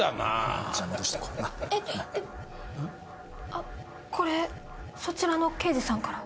あこれそちらの刑事さんから。